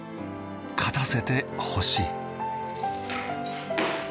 勝たせてほしい。